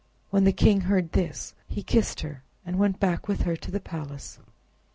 When the king heard this, he kissed her, and went back with her to the palace.